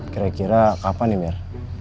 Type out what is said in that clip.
kira kira kapan nih mer